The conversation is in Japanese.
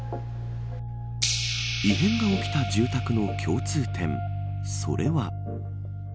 異変が起きた住宅の共通点それは。